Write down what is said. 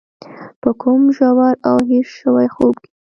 په کوم ژور او هېر شوي خوب کې.